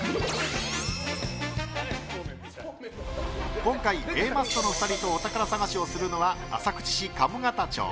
今回、Ａマッソの２人とお宝探しをするのは浅口市鴨方町。